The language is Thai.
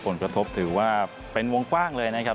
ผลกระทบถือว่าเป็นวงกว้างเลยนะครับ